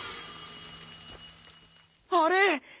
あれ。